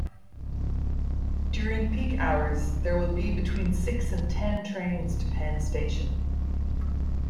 During peak hours there will be between six and ten trains to Penn Station.